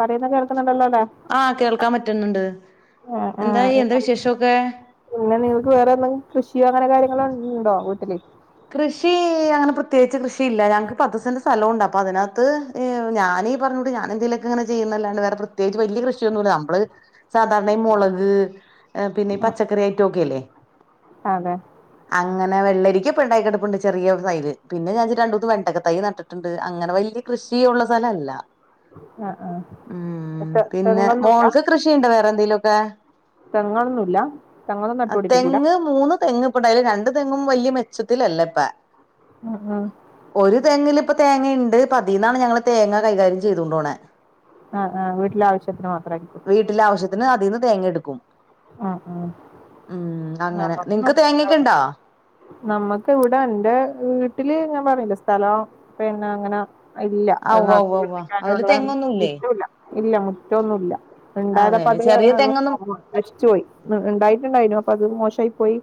പറയുന്ന കേൾക്കുന്നുണ്ടല്ലോ അല്ലേ ആഹ് കേൾക്കാൻ പറ്റ്ന്ന് ണ്ട്. ആ ആ എന്തായീ, എന്താ നിങ്ങൾ വിശേഷൊക്കേ? പിന്നെ നിങ്ങൾക്ക് വേറെ എന്തെങ് കൃഷിയോ അങ്ങനെ കാര്യങ്ങളോ ഇണ്ടോ വീട്ടില്? കൃഷീ അങ്ങനെ പ്രത്യേകിച്ച് കൃഷിയില്ല. ഞങ്ങക്ക് പത്ത് സെന്റ് സ്ഥലവുണ്ട്, അപ്പൊ അതിനകത്ത് ഏ ഞാനീ പർഞ്ഞൂട്ട് ഞാനെന്തേലൊക്കെങ്ങനെ ചെയ്യുന്നല്ലാണ്ട് വേറെ പ്രത്യേകിച്ച് വല്ല്യ കൃഷിയൊന്നൂ ല്ല. നമ്മള് സാധാരണ ഈ മുളക് ഏ പിന്നെ ഈ പച്ചക്കറി അയിറ്റൊക്കെ ഇല്ലേ, അതെ അങ്ങനെ വെള്ളരിക്ക്യും പ്പണ്ടായിക്കെടപ്പുണ്ട് ചെറിയ ഒരു തയ്ല്. പിന്നെ ഞാൻ രണ്ട് മൂന്ന് വെണ്ടക്ക തയ്യ് നട്ട്ട്ട് ണ്ട്. അങ്ങനെ വല്ല്യ കൃഷിയുള്ള സ്ഥലല്ല. ആഹ് ആഹ്. തെ തെങ്ങൊന്നൂല്ലാ? ഷീണ്ടൊ വേറെന്തേലു ഒക്കെ? തെങ്ങൊന്നുല്ല തെങ്ങൊന്നും അ നട്ടുപിടിപ്പിക്കൂല തെങ്ങ് മൂന്ന് തെങ്ങ് ഇപ്പണ്ടായീല് രണ്ട് തെങ്ങും വല്ല്യ മെച് ത്തിലല്ലപ്പ. ഉം ഉം ഒരു തെങ്ങില് ഇപ്പ തേങ്ങയ്ണ്ട്. പ്പതീന്നാണ് ഞങ്ങള് തേങ്ങ കൈകാര്യം ചെയ്തോണ്ടോണേ. ആഹ് ആഹ് വീട്ടിലെ ആവശ്യത്തിന് മാത്രട്ക്കും. വീട്ടിലെ ആവശ്യത്തിന് അതീന്ന് തേങ്ങ എടുക്കും. ആ ആ ഉം അങ്ങനെ. നമ്മക്ക് നിങ് ക്ക് തേങ്ങെക്കെയ്ണ്ടോ? നമ്മക്ക് ഇവിടെ എൻ്റെ വീട്ടില് ഞാൻ പറഞ്ഞില്ലേ സ്ഥലോം പിന്നങ്ങനെ ഇല്ല. ആ അത് ഉവ്വ നടത്തി ഉവ്വ ഉവ്വ [unintelligible] അതില് ക്കാനുള്ള തെങ്ങൊന്നുല്ലേ മുറ്റൊ ഇല്ല. ഇല്ല മുറ്റ ഒന്നുല്ല. അതെല്ലെ ഇണ്ടായതപ്പത് ചെറിയ തെങ്ങൊന്നും [unintelligible] നശിച്ചു പോയി. ഇണ്ടായിട്ട്ണ്ടായ്നു, അപ്പത് മോശായിപ്പോയി.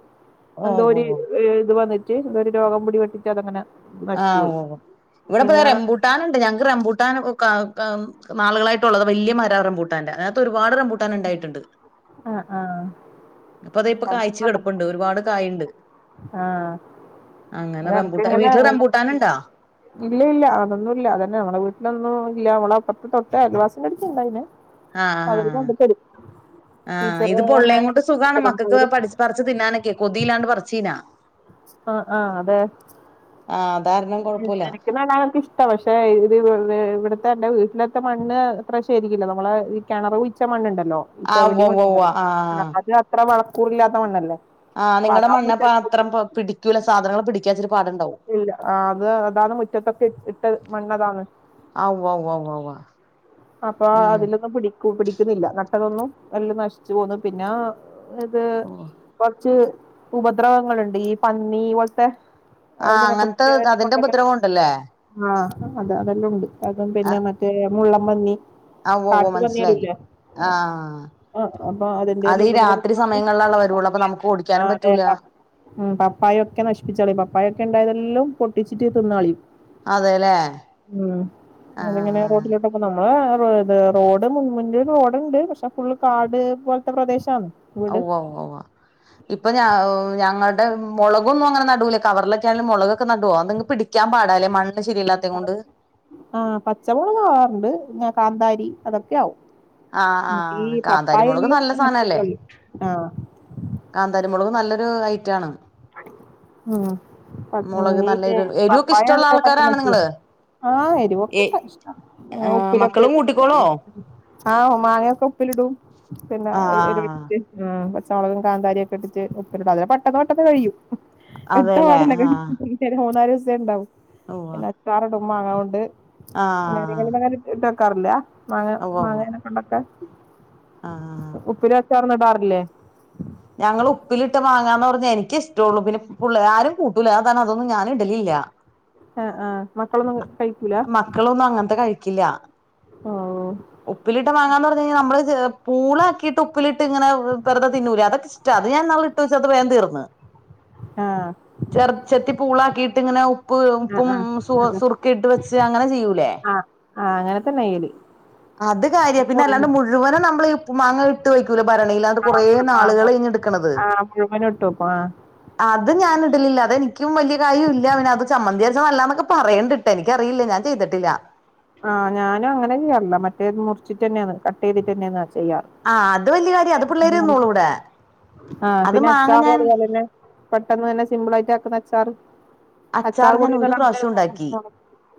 ഓ ഓ എന്തോര് ഏ ഇതു വന്നി ട്ട് ഒരു രോഗം പിടിപെട്ടിട്ട് അതങ്ങനെ. നശിച്ചു ആഹ് പോയി ഓഹ്. ഇവിടെപ്പതാ പിന്നെ ആ റെംപുട് ട്ടാനുണ്ട്. ഞങ്ങക്ക് റംമ്പൂട്ടാൻ ക ക നാളുകളായിട്ടുള്ളത് വല്ല്യ മരാ റംമ്പൂട്ടാന്റെ. അതിനക് ത്തൊരു പാട് റംബൂട്ടാൻ ഇണ്ടായിട്ട്ണ്ട്. ആഹ് അപ്പൊതേ ഇപ്പൊ കായ്ച്ച് കെടപ്പുണ്ട്. ഒരുപാട് കായ്ണ്ട്. ആഹ് അൻക്കെങ്ങനേ വീട്ടില് റംബൂട്ടാൻ ഇണ്ടാ [unintelligible] ഇല്ല ഇല്ല അതൊന്നുല്ല. അതന്നെ നമ്മളെ വീട്ടിലൊന്നും ഇല്ലാ. നമ്മളപ്പൊർത്തെ തൊട്ടെ അയൽവാസിൻ്റെട്ത്ത് ഇണ്ടായ്നു. ആഹ ഹാ ആഹ്, ടീച്ചർ ഇത്പ്പൊള്ളേം കൊണ്ട് സുഖാണ് മക്കക്ക് പഠിച്ച് പറ്ച്ച് ച്ച് തിന്നാനൊക്കെ കൊതിയില്ലാണ്ട് പറിച്ചീനാ. ആഹ് ആഹ് അതേ. ആഹ് അതാർഞ് എനിക്ക് നടാനൊക്കിഷ് ട പക്ഷേ, ഇത് ഇ വേ ഇവിടുത്തെ എന്റെ വീട്ടിലേത്തെ മണ്ണ് അത്ര ശരിയില്ല. നമ്മളെ ഇ കെണറ് കുഴിച്ച മണ്ണ്ണ്ടല്ലോ, ആഹ് ഉവ്വ ചെവിടി ഉവ്വ മണ്ണ് ഉവ്വ പറയും. ആഹ് അത് അത്ര വളക്കൂറില്ലാത്ത മണ്ണല്ലേ. ആഹ് അപ്പൊ നിങ്ങടെ അതാ മണ്ണ് മുറ്റത്ത് പാത്രം പൊ പിടിക്കൂല്ല സാധനങ്ങള് പിടിയ്ക്കാച്ചിരി പാട്ണ്ടാവും. ഇല്ല, ആഹ് അത് അതാണ് മുറ്റത്തൊക്കെ ഇ ഇട്ടെ മണ്ണതാണ്. ഔ വ്വ വ്വ വ്വ വ്വ വാ അപ്പാ അതിലൊന്നും പിടിക്കു പിടിക്കുന്നില്ല നട്ടതൊന്നും. എല്ലം നശിച്ച് പോവ്ന്ന്. പിന്നാ ഇത് ഉവ്വ കുറച്ച് ഉപദ്രവങ്ങളുണ്ട് ഈ പന്നി പോലത്തെ ആഹ് അതിനെ അങ്ങനത്തെ അതിന്റെ കുറിച്ച്ല്ല ഉപദ്രവം ഉണ്ടല്ലേ [unintelligible] ആഹ് അത അതെല്ലാം ഉണ്ട് അതും പിന്നെ ആഹ് മറ്റ ദേ മുള്ളം പന്നി ആഹ് ഉവ്വ ഉവ്വ കാട്ടു മനസ്സിലായി പന്നിയാലുംല്ലേ? ആഹ്. അതിന്റെയെല്ലാം ഉപദ്രവം അതീരാത്രി കൊണ്ട് സമയങ്ങളിലള്ള വരുവുള്ളൂ അപ്പൊ നമുക്ക് ഓടിക്കാനും ആഹ് അതെ പറ്റൂല- പ- ഉം പപ്പായൊക്കെ നശിപ്പിച്ചാളി പപ്പായൊക്കെ ഉണ്ടായതെല്ലാം പൊട്ടിച്ചിട്ട് തിന്നാളിം അതെല്ലേ ഉം ആഹ് അങ്ങനെങ്ങനെ ആഹ് റോട്ടിലും. നമ്മള ത് റോഡ് മുൻ റോഡണ്ട് പക്ഷെ ഫുള്ള് കാട് പോലത്തെ പ്രദേശാന്ന് ഓഹ്വ്വവ്വവ. ഇപ്പൊ ഞ ഞങ്ങളുടെ മുളകൊന്നും അങ്ങനെ നടുല കവറിലൊക്കെ ആലും മൊളക് പോനട്വോ നിങ്ങ് പിടിക്കാൻാടാലേ മണ് ശരില്ലാ ആഹ് പച്ചമൊളക് ആവാറുണ്ട് കാന്താരി അതൊക്കെയ ആവും. ആഹ് ആഹ് ഈ കാന്താരി മുളക് പപ്പായെല്ലോം നല്ല നശിപ്പിച്ചളയും ആഹ്. കാന്താരിമൊളവ് നല്ലൊരു ഐറ്റാണ്. ഉം മുളക് നല്ല എരു [unintelligible] എരുവൊക്കെ ഇഷ്ടമുള്ള പപ്പായക്ക [unintelligible] പറ്റ ആൾക്കാരാണ് നിങ്ങള് ആഹ് എരിവൊക്കെ ഏ ഇണ്ട ഇഷ ആഹ് ഉപ്പിലൊക്കെ മക്കളും കൂട്ടിക്കോളോ ഇടും ആഹ് മാങ്ങയൊക്കെ ഉപ്പിലിടും. പിന്നെ ആഹ് [unintelligible] പച്ചമുളകും കാന്താരിക്കെ ഇട്ടട്ട് ഉപ്പ അതി പെട്ടെന്ന് പെട്ടന്ന് കഴിയും. എട്ട അതെല്ലേ പടന്നക് ആഹ് ഈരുമൂന്നാല് ദിവസത്തെ ഉണ്ടാവും ഉവ്വ പിന്നെ അച്ചാറോടും മാങ്ങ കൊണ്ട് [unintelligible] ആഹ് അങ്ങന ഇട്ടക്കാറില്ല മാങ്ങ ഉവ്വ ഉവ്വ മാങ്ങനെ കൊണ്ടൊക്കെ ആഹ് ഉപ്പില വെച്ചാ ന്ന്ടാറില്ലേ? ഞങ്ങൾ ഉപ്പിലിട്ട് വാങ്ങാന്ന് പറഞ്ഞ എനക്ക് ഇഷ്ടള്ളൂ പിന്നെ പുള്ള് ആരും കൂട്ടൂല അതാരണം അതൊന്നും ഞാന ഇടലില്ല. ആഹ് ആഹ് മക്കളൊന്നും കഴിക്കൂല? മക്കളൊന്നും അങ്ങനത്തെ കഴിക്കില്ല. ഓഹ്. ഉപ്പിലിട്ട വാങ്ങാന്ന് പറഞ്ഞു കഴിഞ്ഞാ നമ്മ പൂളക്കിയിട്ട് ഉപ്പിലി തിങ്ങനെവെറുതെതിന്നൂലെ അതൊക്കെ ഇഷ്ടത് ഞാൻാൾ ഇട്ട് വച്ച അത് വേൻ തീർന്ന്. ആഹ്. ചെറ ചെത്തി പൂളാക്കിയിട്ട് ഇങ്ങനെ ഉപ്പ് ആ ഉപ്പും ആ അതെ സുസുറുക്കിയിട്ട് വെച്ച് അങ്ങനെ ചെയ്യൂലേ ആഹ് അങ്ങനെ തന്നെയ്യല് അത് കാര്യം പിന്നെ അല്ലാണ്ട് മുഴുവനും നമ്മളീ ഉപ്പു മാങ്ങയി ഇട്ട് വയ്ക്കൂല ഭരണിയിലാണ്ട് കുറേ ആ നാളുകള് ഞ്ഞ് എടുക്കണത്. ആ മുഴുവനും ഇട്ട് വെക്കും ആ അത് ഞാൻ ഇടലില്ല അതെനിക്കും വലിയ കാര്യ ഇല്ല അവന് അത് ചമ്മന്തിയാച്ച ല്ലാന്നൊക്കെ പറയേണ്ട് എനിക്കറിയില്ല ഞാൻ ചെയ്തിട്ടില്ല. ആഹ് ഞാനും അങ്ങനെയ ചെയാറില്ല മറ്റേ മുറിച്ചിട്ട് തന്നെയന്ന് കട്ട് ചെയ്തിട്ട് തന്നെയന്നാ ചെയ്യാ ആഹ് അത് വല്യ കാര്യ അത് പിള്ളേരി ന്നോളൂ ഇവിടെ. ആഹ് അത് പിന്നെ മാങ്ങ അച്ചാറ് ഞാൻ അതുപലെന്നെ പെട്ടെന്ന് തന്നെ സിമ്പിൾ ആയിട്ട് ആക്കുന്ന അച്ചാറ് അച്ചാർ ഞാൻ പൊടിയന്ന് ഒരു പ്രാവശ്യം ഉണ്ടാക്കി [unintelligible]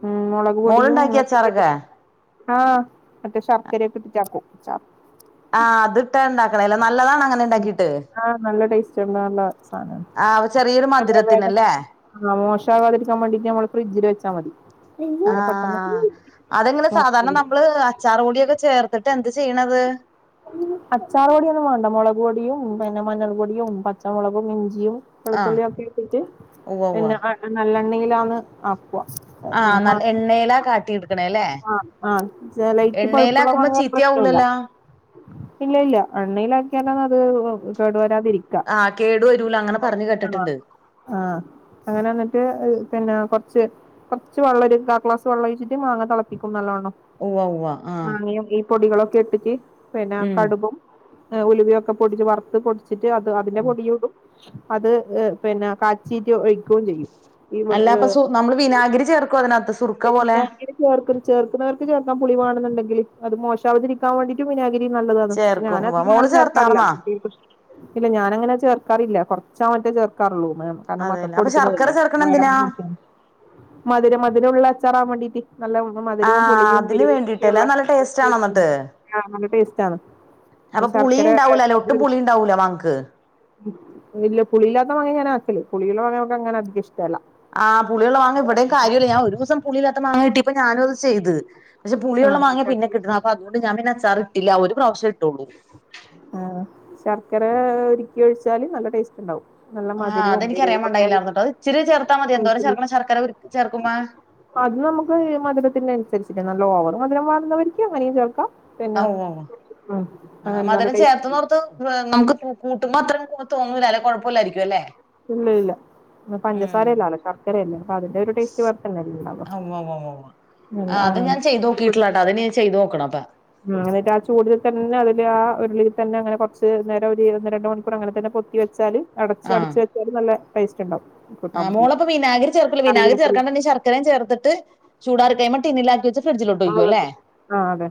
ഉം മൊളക് പൊടിയും. മോളുണ്ടാക്കിയ അച്ചാറൊക്കെ ആഹ് മറ്റേ ശർക്കരയൊക്കെ ഇട്ടിട്ടാക്കും ആഹ് അത് ഇട്ടാ ഉണ്ടാക്ക്ണല്ല നല്ലതാണൊ അങ്ങനെ ഉം. ഇണ്ടാക്കിട്ട്? ആഹ് നല്ല ടേസ്റ്റ് ഉണ്ട് നല്ല- ആഹ് ചെറിയൊരു മധുരത്തിനല്ലേ [unintelligible] മോശാവാതിരിക്കാൻ വേണ്ടിട്ട് നമ്മള് ഫ്രിഡ്ജില് വെച്ചാൽ മതി. അങ്ങനെ പെട്ടെന്ന് ആഹ് അതെങ്ങനെ സാധാരണ മോശാവൂല. നമ്മള് അച്ചാറ് പൊടിയൊക്കെ ചേർത്തിട്ട് എന്ത് ചെയ്യണത്? അച്ചാറ് പൊടിയൊന്നു വേണ്ടാ മൊളക് പൊടിയും പിന്നെ മഞ്ഞൾ പൊടിയും പച്ചമുളകും ഇഞ്ചിയും ആഹ് വെളുത്തുള്ളിയൊക്കെ ഇട്ടിട്ട് ഉവ്വ ഉവ്വ പിന്നെ നല്ലെണ്ണയിലാന്ന് ആക്കുവാ ആഹ് നല്ല എണ്ണയിലാ കാട്ടി എടുക്കണേ [unintelligible] അല്ലേ ആഹ് ആഹ് ചെലൈറ്റ് പഴുപ്പുള്ള എണ്ണയിലാക്കുമ്പോ മാങ്ങയാന്നെ പ്രശ്നൊല്ലാ ചീത്തയാവൂലല്ലോ ഇല്ല ഇല്ല എണ്ണയിലാക്കിയാലാന്നത് അത് ഏഹ് കേടു വെരാതിരിക് ആഹ് കേടു വരൂലാ അങ്ങനെ പറഞ്ഞു കേട്ടിട്ടുണ്ട് ആഹ് അങ്ങനെ വന്നിട്ട് ഏഹ് പിന്നെ കൊറച്ച് കൊറച്ച് വെള്ളം ഒരു കാക്ലാസ് വെള്ള ഒഴിച്ചിട്ട് മാങ്ങ തെളപ്പിക്കും നല്ലോണ്ണം ഉവ്വ ഉവ്വ ആഹ് മാങ്ങയും ഈ പൊടികളൊക്കെ ഇട്ടിറ്റ് പിന്നാ ഉം കടുകും ഏഹ് ഉലുവയൊക്കെ പൊടിച്ച് വറുത്ത് പൊടിച്ചിറ്റ് അത് അതിന്റെ പൊടിയും ഇടും അത് ഏഹ് പിന്നെ കാച്ചീട്ട് ഒഴിക്കുകയും ചെയ്യും ഈ അല്ലാ അപ്പൊ സു നമ്മള് വിനാഗിരി ചേർക്കോ അതിനാത്ത് സുർക്ക പോലെ ചേർക്കും ചേർക്കുന്നവർക്ക് ചേർക്കാം പുളി വേണെന്നുണ്ടെങ്കില് അത് മോശാവതിരിക്കാൻ വേണ്ടി വിനാഗരിയും നല്ലതാണ് പക്ഷെ ചേർക്കും ഉവ്വ മോള് ഞാനധികങ്ങനെ ചേർക്കാറില്ലാ ചേർത്താർന്നാ കുട്ടിയെക് പ്ര ഇല്ലാ ഞാനങ്ങനെ ചേർക്കാറില്ലാ കൊറച്ചോ മറ്റോ ചേർക്കാറുള്ളൂ [unintelligible] കാരണം മക്കക്ക് അതെല്ലേ അപ്പൊ ശർക്കര കൊടുക്കുന്നതല്ലേ ചേർക്കണ എന്തിനാ വയറിന് [unintelligible] മധുരം മധുരൊള്ള അച്ചാറാവാൻ വേണ്ടീട്ട് നല്ല മധുരവും ആഹ് പുളിയും അതിന് എരുവും വേണ്ടിട്ടല്ലേ ഒക്കെയുള്ള അത് നല്ല ടേസ്റ്റ് ആണോ എന്നിട്ട് [unintelligible] ആഹ് നല്ല ടേസ്റ്റാണ് അപ്പൊ പുളി ഇണ്ടാവൂലാല്ലോ ഒട്ടും പുളി ഇണ്ടാവൂലാ മാങ്ങക്ക് ഇല്ല പുളിയില്ലാത്ത മാങ്ങ ഞാൻ ആക്കല് പുളിയുള്ള മാങ്ങ നമ്മക്ക് അങ്ങനെ അധികം ഇഷ്ട്ടല്ലാ ആഹ് പുളിയുള്ള മാങ്ങാ ഇവിടെയും കാര്യല്ല ഞാ ഒരു ദിവസം പുള്ളിയില്ലാത്ത മാങ്ങ കിട്ടിയപ്പ ഞാനും അത് ചെയ്ത് പക്ഷെ ആ പുളിയുള്ള മാങ്ങയാ പിന്നെ കിട്ടുന്നത് അതൊണ്ട് ഞാ പിന്നെ അച്ചാറിട്ടില്ലാ ഒരു പ്രാവശ്യം ഇട്ടുള്ളൂ ആഹ് ശർക്കര ഉരുക്കി ഒഴിച്ചാലും നല്ല ടേസ്റ്റ് ഇണ്ടാവും ആഹ് അതെനിക്കറിയാ പാടിണ്ടായില്ലാർന്നൂട്ടോ അത് ഇച്ചിരി ചേർത്താ മതി എന്തോരം ഒഴിക്കല് ചേർക്കണം ശർക്കര ഉരുക്കി ചേർക്കുമ്പെ അത് നമ്മക്ക് ഏഹ് മധുരത്തിനുസരിച്ചിട്ട് നല്ല ഓവർ മധുരം വേണ്ന്നവരിക്ക് അങ്ങനെയും ചേർക്കാം പിന്നാ ഉം ആഹ് അങ്ങനെ നല്ല മധുരം ടേസ്റ്റ് ചേർത്ത്ന്നോർത്ത് നമുക്ക് കൂട്ടുമ്പോ അത്ര തോന്നൂലാല്ലെ കൊഴപ്പയില്ലായിരിക്കും അല്ലെ ഇല്ല ഇല്ല പിന്നെ ഉം പഞ്ചസാര അല്ലാല്ലോ ശർക്കരയല്ലേ അപ്പോ അതിന്റെ ആ ഒരു ടേസ്റ്റ് വേറെ തന്നെയല്ലേ ഇണ്ടാവാ [unintelligible] ആഹ് അത് ഞാ ചെയ്തോക്കിയിട്ടില്ലട്ടോ അത് ഇനി ഞാൻ ചെയ്തോക്കണം അപ്പാ ഉം എന്നിട്ട് ആ ചൂടില് തന്നെ അതിലാ ആ ഉരുളീ തന്നെ അങ്ങനെ കൊറച്ച് നേരം ഒര് ഒന്ന് രണ്ട് മണിക്കൂറ് അങ്ങനെത്തന്നെ പൊത് ത്തി വെച്ചാല് അടച് അടച്ച് വെച്ചാലും നല്ല ടേസ്റ്റ് ഇണ്ടാവും ആഹ് മോളപ്പോ വിനാഗരി ചേർക്കൂല്ലാ വിനാഗരി ചേർക്കാണ്ടെന്നെ ശർക്കരയും ചേർത്തിട്ട് ചൂടാറി കഴിയുമ്പം ടിന്നിലാക്കി വെച്ച് ഫ്രിഡ്ജിലോട്ട് ആഹ് അല്ലേ വെക്കും ആഹ് അതെ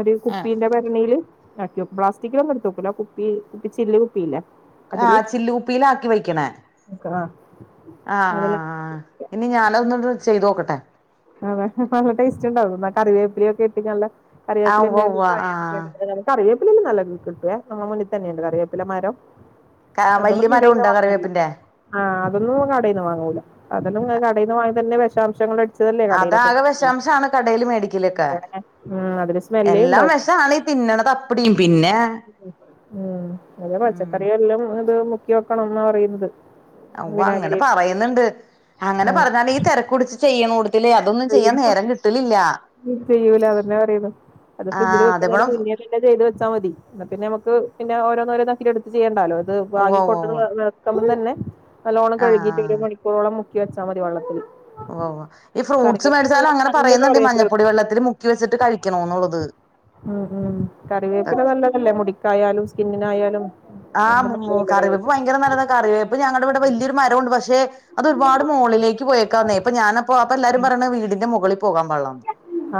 ഒരു ആ കുപ്പീന്റെ ഭരണീല് ആക്കി വെക്കും പ്ലാസ്റ്റിക്കിലൊന്നും എടുത്തെക്കൂല്ലാ കുപ്പി കുപ്പി ചില്ല് കുപ്പിയില്ലേ? ആഹ് ചില്ല് കുപ്പിയിലാക്കി വെക്കണേ ക്കും ആഹ് ആഹ് അതില് ആഹ് ആഹ് ഇനി ഞാനതൊന്നൂടെ ചെയ്ത് നോക്കട്ടെ അതെ നല്ല ടേസ്റ്റ് ഇണ്ടാവും കറിവേപ്പിലയൊക്കെ ഇട്ടിറ്റ് നല്ലെ ആ ഉവ്വ കറിവേപ്പിലെൻ്റെ ഉവ്വ [unintelligible] കറിവേപ്പിലയെല്ലം നല്ല കിട്ടുവേ നമ്മ മുന്നിത്തന്നെയുണ്ട് കറിവേപ്പില മരം ആ വല്യ അതൊന്നും മരം [unintelligible] ഉണ്ടോ വാങ്ങില്ലാ കറിവേപ്പിന്റെ ആഹ് അതൊന്നും കടേന്ന് വാങ്ങൂലാ അതെല്ലം കടേന്ന് വാങ്ങിയതന്നെ വെഷാംശങ്ങളടി അതാകെ വെഷാംശമാണ് കടേല് മേടിക്കലൊക്കെ ഉം അതില് സ്മെല്ലേ എല്ലാം ഉണ്ടാവൂ വെഷാണിപ് തിന്നണതപ്പിടിയും പിന്നെ ഉം അതെ ഉം പച്ചക്കറിയെല്ലാം ഇത് മുക്കി വെക്കണെന്നാ പറയുന്നത് ഔവ്വാ അങ്ങനെ വിനാഗിരി പറയുന്നുണ്ട് അങ്ങനെ ഉം പറഞ്ഞാല് ഈ തെരക്ക് പിടിച്ച് ചെയ്യണോടത്തില് അത് അതൊന്നും ചെയ്യാൻ ചെയ്യും നേരം കിട്ടലില്ല. [unintelligible] ചെയ്യൂല അതന്നെ പറയുന്നു അത് ആ ഫ്രിഡ്ജ്ൽ വെക്ക അതേപോലെ [unintelligible] പിന്നെ ചെയ്ത് വെച്ചാ മതി ന്ന പിന്നെ നമ്മക്ക് പിന്നെ ഓരോന്നോരോന്നാക്കി എട് ചെയ്യണ്ടാലോ അത് ഉവ്വ വാങ്ങി ഉവ്വ കൊട്ത്തത് ഉവ്വ വ വ വക്കുമ്പോൾ തന്നെ നല്ലോണം ആ കഴുകിട്ട് ആ ഒരു മണി [unintelligible] ളം മുക്കി വെച്ചാ മതി വള്ളത്തില്. ഓ ഓ ഈ ഫ്രൂട്ട്സ് മേട്ച്ചാലും അങ്ങനെ സ്മെല്ലുള്ള പറയുന്നുണ്ട് മഞ്ഞ കറിവേപ്പില പൊടി വെള്ളത്തില് മുക്കി വെച്ചിട്ട് കഴിക്കണോന്നുള്ളത് അ ന [unintelligible] ല്ലേ മുടിക്കായാലും സ്കിന്നിനായാലും. ആഹ് അത് മു മു നല്ലതല്ലേ കറിവയ്പ്പ് കറിവേപ്പില ഭയങ്കര നല്ലതാ കറിവേയ്പ്പ് ഞങ്ങള്ടെ വീട്ട് വലൃയൊരു മരം ഉണ്ട് പക്ഷെ. അതൊര്പാട് മോളിലേക്ക് പോയേക്കാന്നേ ഇപ്പൊ ഞാന് അപ്പോ അപ്പൊ എല്ലാരും പറയണ് വീടിന്റെ മുകളിൽ പോകാൻ പാടില്ലാന്ന്.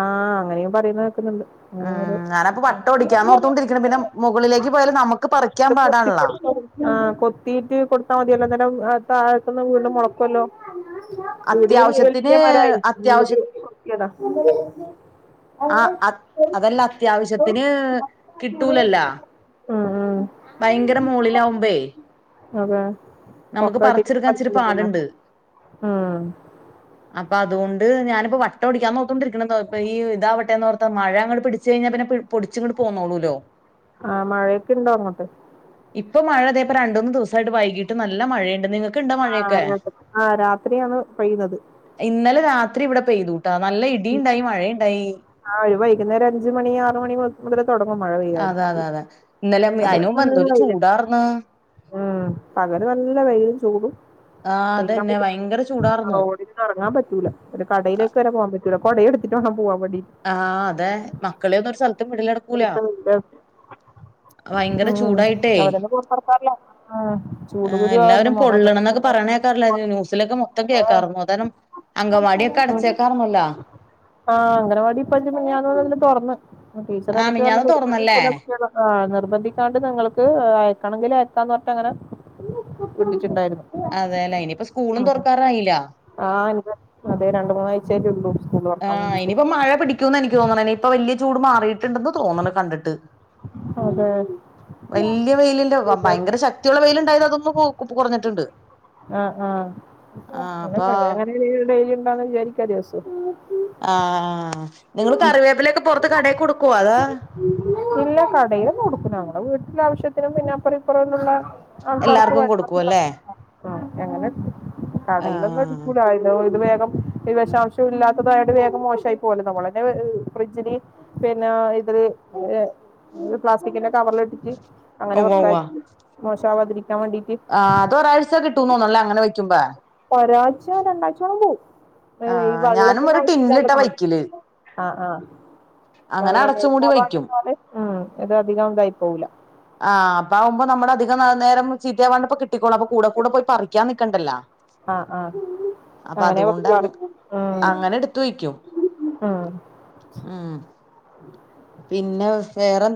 ആഹ് അങ്ങനെയും പറയുന്ന കേക്കുന്നുണ്ട്. ഉം അങ്ങനെ ഓരോ ഞാനപ്പൊ പട്ട ഒടിക്ക്യന്നോർത്തോണ്ടിരിക്ക്ണ് പിന്നെ മുകളിലേക്ക് പോയാലും നമുക്ക് പറിക്ക്യാൻ പാടാണല്ലോ. ആഹ് കൊത്തീറ്റ് കൊട്ത്താ മത്യേലോ അന്നേരം താഴത്ത്ന്ന് വീണ്ടും മൊളക്കുല്ലോ. ഇവിടെയും അത്യാവശ്യത്തിന് വെല്ല്യ മരയ്ര്ന്നു അത്യാവശ്യ [unintelligible] കൊത്യേത. ആഹ് അ അതല്ലാ അത്യാവശ്യത്തിന് കിട്ടൂലല്ല. ഉം ഉം. ഭയങ്കര മോളിലാവുമ്പേ. അതെ നമുക്ക് പൊക്കാട്ടി പറിച്ചെടുക്കാൻ ഇച്ചിരി പാടുണ്ട് [unintelligible] ആഹ്. അപ്പ അതോണ്ട് ഞാന്പ്പം വട്ടോടിക്കന്നോർതോണ്ടിരിക്കാണത പ്പ ഈ താവട്ടെ ന്നോർത മഴ അങ്ങോട്ട് പിടിച്ചയ്ഞ പിന്നെ പി പൊട്ച്ചിങ്ങട്ട് പോന്നോളൂല്ലോ. ആഹ് മഴയ്ക്കിണ്ടോ അങ്ങോട്ട്? ഇപ്പം മഴ തേ പ്പ രണ്ടൂന്ന് ദിവസായിട്ട് വൈകീട്ട് നല്ല മഴയ്ണ്ട് നിങ്ങ ആഹ് [unintelligible] ആ രാത്രിയാണ് പെയ്തത്. ഇന്നലെ രാത്രി വടെ പെയ്തൂട്ടാ നല്ല ഇടിണ്ടായി മഴയീണ്ടായി. ആഹ് ഒരു വൈകുന്നേര അഞ്ച് മണി ആറ് മണി മു തലേ തൊട്ങ്ങും മഴ പെയ്യാൻ അതെ ഇ അതെ അതെ ഇന്നലെ അത് അതിന് മുമ്പ് എന്തൊരു [unintelligible] ചൂടാർന്ന് ഉം പകല് നല്ല വെയില് ചൂടും ആ സയ്‌ക്കാൻ അതന്നെ പറ്റതില്ല ഭയങ്കര ആ ചൂടാർന്നു റോഡ അറങ്ങാൻ പറ്റൂല ഒരു കടയിലേക്ക് വരെ പോവാൻ പറ്റൂല കൊട എടുത്തിട്ട് വേണം പോവാൻ വേണ്ടി. ആഹ് അതെ മക്കളെ ഒ [unintelligible] രു സല്ത്ത്ക്ക് വിടില [unintelligible] ണ്ടേ ഭയങ്കര ഉം ചൂടായിട്ടേ അവരെന്നും പൊർത്തറ്ക്കാർല ആ ആ, ചൂട് കുരു ആവും എല്ലാവരും മുഖക്കെ. പൊള്ളണന്നൊക്കെ [unintelligible] ന്യൂസിലൊക്കെ മൊത്തം കേക്കാർന്നു അതാരം അങ്കംവാടി ഒക്കെ അടച്ചേക്കാർന്നല്ലോ. ആഹ് അംഗനവാടി പ്പഞ് മിഞ്ഞാന്ന് മുതല് തൊറന്ന് ആഹ് ടീച്ചറന്നിട്ട് മിഞ്ഞാന്ന് പറഞ് തൊറന്നല്ലേ [unintelligible] ല കുട്ട്യാള്. ആഹ് നിർബന്ധിക്കാണ്ട് നിങ്ങൾക്ക് അയക്കണെങ്കിലയക്കാന്ന് പറഞ്ട്ടങ്ങനെ [unintelligible] ണ്ടായ്രുന്നു. അതെലേ ഇനിപ്പ സ്കൂളും തൊർക്കാറായില. ആഹ് [unintelligible] അതേ രണ്ട് മൂന്നാഴ്ചറ്റേ ള്ളൂ. ആഹ് ഇനിപ്പം മഴ പിടിക്കൂന്ന നിക്ക് തോന്നണെ നിപ്പ വല്ല്യെ ചൂട് മാറീട്ടുണ്ടന്ന് തോന്ന്ണ് കണ്ട്ട്ട്. അതെ വല്ല്യ വെയിലില്ല ഭയങ്കര ശക്തിയുള്ള വെയില്ണ്ടായതതൊന്നു പോ ആഹ് ആ ആഹ് അപ്പൊ [unintelligible] യിലി ണ്ടാവന്ന് വിചാരി ക്ക ദിവസൂം. ആഹ് നിങ്ങള് കറിവേപ്പിലൊക്കെ പൊർത്ത് കടേ കൊടുക്കുവോ അതോ? ഇല്ല കടയില് കൊട്ക്കൂല ഞമ്മടെ വീട്ട്ല ആവശ്യത്തിനും പിന്നെ അപ്പറം ഇപ്പറ [unintelligible] ള്ള ആൾക്കാർക്ക് എല്ലാർക്കും കൊടുക്കും [unintelligible] അല്ലേ ആഹ് എങ്ങനെ കടീലൊന്നും ആഹ് ട്ക്കൂല അ [unintelligible] ഇത് വേഗം. ഈ വെഷാംശം ഇല്ലാത്തതായോണ്ട് വേഗം മോശായി പോവല്ലോ നമ്മളന്നെ ഫ്രിഡ്ജില് പിന്നെ. പ്ലാസ്റ്റിക്കിന്റെ കവറിലിലിട്ടിട്ട് അങ്ങനെ ഉവ്വ ഉവ്വ വെക്കാച് മോശാവാതിരിക്കാ വേണ്ടീട്ട് ആ അതൊരാഴ്ച കിട്ടൂതോന്ന്ണൂ ല്ലേ അങ്ങനെ വെക്കുമ്പോ ഒരാഴ്ച്ച രണ്ടാഴ്ചോളം പോവും ഈ ആഹ് ഞാനും വെള്ളത്തിന്റെ ഒരു ടിന്നിലിട്ടാ അംശയില്ലാണ്ടാവണം വയ്ക്കല് ആ ആ അങ്ങനെ വെള്ളം നിൽ അടച്ചും മൂടി വയ്ക്കും [unintelligible] ഇതധികം ഇതായി പോവും ആഹ് അപ്പാവുമ്പോ നമ്മ അധിക നാ നേരം ചീത്തയാവാണ്ട പ്പൊ കി ട്ടിക്കോളും അപ്പൊ കൂടെ കൂടെ പോയി പറിക്കാൻ നിക്കണ്ടല്ലോ ആഹ് ആഹ് അപ്പൊ അങ്ങനെ അതുകൊണ്ട് പറിക്കാർ ഉം അങ്ങനെ എടുത്ത് വെക്കും ഉം ഉം പിന്നെ വേറെ